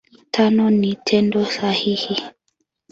Tano ni Tendo sahihi.